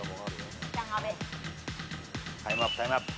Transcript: ・タイムアップタイムアップ。